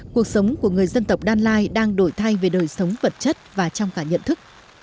cuộc sống của người dân tộc đan lai đang đổi thay về đời sống vật chất và trong cả nhận thức